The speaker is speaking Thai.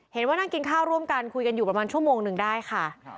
เห็นว่านั่งกินข้าวร่วมกันคุยกันอยู่ประมาณชั่วโมงหนึ่งได้ค่ะ